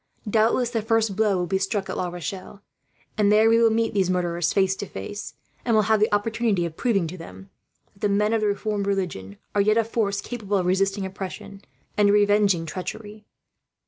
Doubtless the first blow will be struck at La Rochelle, and there we will meet these murderers face to face; and will have the opportunity of proving, to them, that the men of the Reformed religion are yet a force capable of resisting oppression, and revenging treachery.